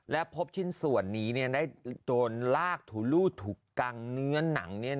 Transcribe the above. และพบชิ้นส่วนนี้ได้โดนลากถูรูดถูกกังเนื้อหนัง